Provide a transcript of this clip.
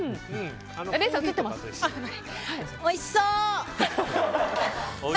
あっおいしそう！